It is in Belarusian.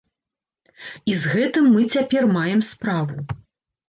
І з гэтым мы цяпер маем справу.